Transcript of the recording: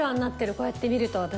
こうやって見ると私。